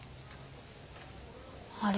あれ？